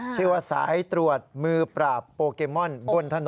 ชื่อว่าสายตรวจมือปราบโปเกมอนบนถนน